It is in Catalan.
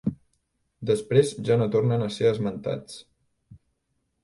Després ja no tornen a ser esmentats.